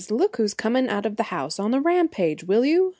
Look who's coming out of the house on the rampage, will you!"